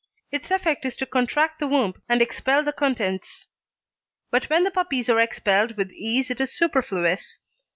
Its effect is to contract the womb and expel the contents. But when the puppies are expelled with ease it is superfluous.